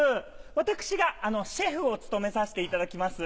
私がシェフを務めさせていただきます